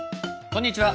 こんにちは。